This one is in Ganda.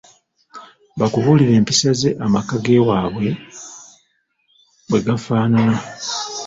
Bakubuulire empisa ze amaka gewaabwe bwe gafaanana.